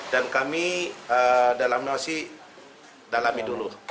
dan kami masih dalami dulu